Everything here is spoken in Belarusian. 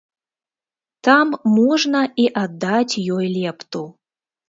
Там можна і аддаць ёй лепту.